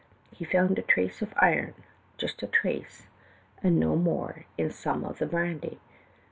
"He found a trace of iron, just a trace, and no more, in some of the brandy.